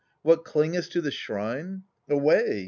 What, clingest to the shrine ? Away